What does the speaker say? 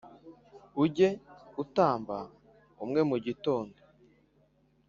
Ujye utamba umwe mu gitondo